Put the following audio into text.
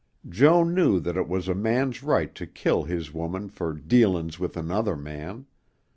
Joan knew that it was a man's right to kill his woman for "dealin's with another man."